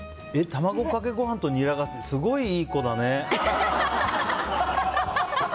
卵かけご飯とニラがすごい、いい子だね。